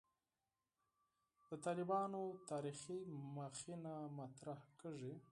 د «طالبانو تاریخي مخینه» مطرح کېږي.